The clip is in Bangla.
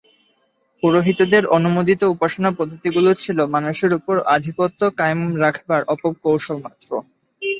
পুরোহিতদের অনুমোদিত উপাসনা পদ্ধতিগুলি ছিল মানুষের উপর আধিপত্য কায়েম রাখবার অপকৌশল মাত্র।